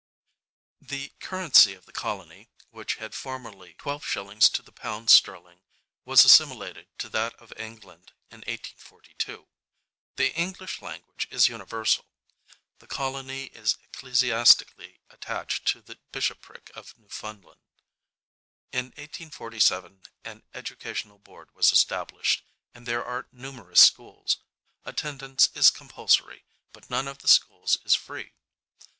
The currency of the colony, which had formerly twelve shillings to the pound sterling, was assimilated to that of England in 1842. The English language is universal. The colony is ecclesiastically attached to the bishopric of Newfoundland. In 1847 an educational board was established, and there are numerous schools; attendance is compulsory, but none of the schools is free.